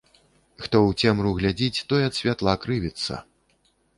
Хто ў цемру глядзіць, той ад святла крывіцца